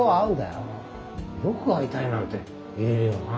よく会いたいなんて言えるよな？